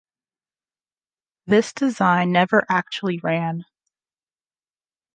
This design never actually ran.